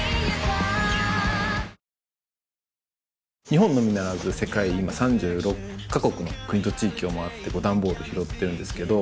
日本のみならず世界今３６か国の国と地域を回って段ボール拾ってるんですけど。